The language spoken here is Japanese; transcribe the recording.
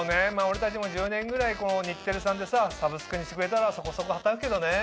俺たちも１０年ぐらいこの日テレさんでさサブスクにしてくれたらそこそこ働くけどね。